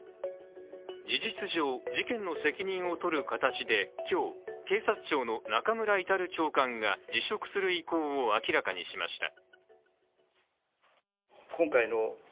事実上、事件の責任をとる形で今日、警察庁の中村格長官が辞職する意向を明らかにしました。